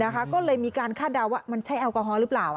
ก็เลยมีการคาดเดาว่ามันใช่แอลกอฮอล์หรือเปล่า